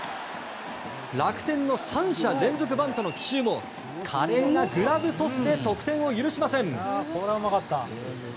楽天の３者連続バントの奇襲も華麗なグラブトスで得点を許しません。